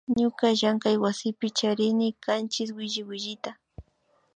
Ñuka llankaywasipi charinchi kanchis williwillita